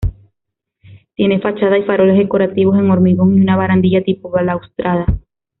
Tiene fachada y faroles decorativos en hormigón y una barandilla tipo balaustrada.